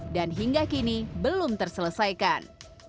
dan hingga kini belum terselesaikan